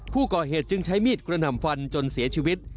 ผู้ก่อเหตุจึงใช้มีดกระหน่ำฟันจนเสียชีวิต